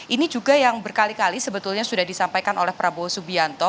ini juga yang berkali kali sebetulnya sudah disampaikan oleh prabowo subianto